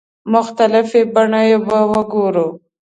مختلفې بڼې به یې وګورو.